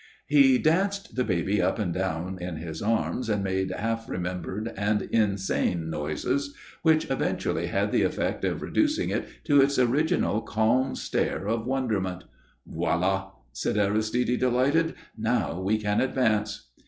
He danced the baby up and down in his arms and made half remembered and insane noises, which eventually had the effect of reducing it to its original calm stare of wonderment. "Voilà," said Aristide, delighted. "Now we can advance."